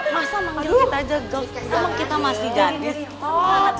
masa emang kita masih jadi hot